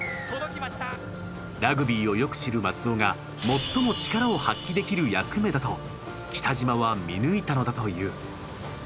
ラグビーをよく知る松尾が最も力を発揮できる役目だと北島は見抜いたのだという。